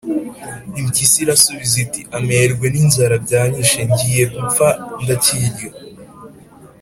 impyisi irasubiza iti:” amerwe n'inzara byanyishe, ngiye gupfa ndakilya !